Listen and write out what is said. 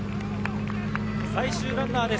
最終ランナーです。